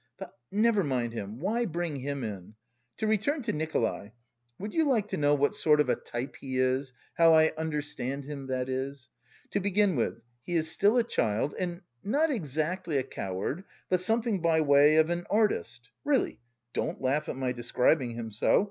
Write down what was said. But never mind him, why bring him in? To return to Nikolay, would you like to know what sort of a type he is, how I understand him, that is? To begin with, he is still a child and not exactly a coward, but something by way of an artist. Really, don't laugh at my describing him so.